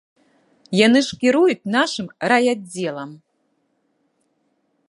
Яны ж кіруюць нашым райаддзелам.